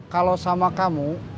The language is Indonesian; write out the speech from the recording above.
kalau sama kamu